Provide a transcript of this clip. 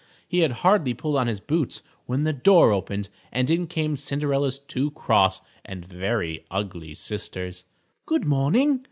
He had hardly pulled on his boots when the door opened, and in came Cinderella's two cross and very ugly sisters. "Good morning!"